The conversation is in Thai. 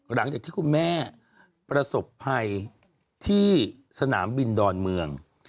หลังจากที่คุณแม่ประสบภัยที่สนามบินดอนเมือง